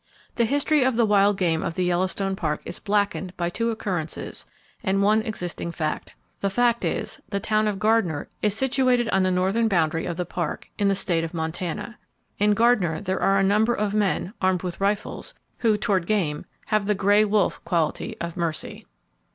The history of the wild game of the Yellowstone Park is blackened by two occurrences, and one existing fact. The fact is: the town of Gardiner is situated on the northern boundary of the Park, in the State of Montana. In Gardiner there are a number of men, armed with rifles, who toward game have the gray wolf quality of mercy.